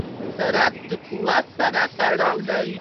سرعت د قوت سره تړاو لري.